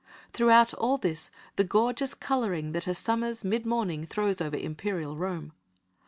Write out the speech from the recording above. Throughout all this the gorgeous colouring that a summer's mid morning throws over imperial Rome.